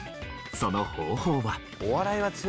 その方法は。